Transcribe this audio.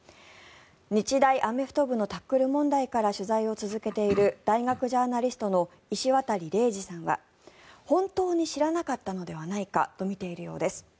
日大アメフト部のタックル問題から取材を続けている大学ジャーナリストの石渡嶺司さんは本当に知らなかったのではないかとみているようです。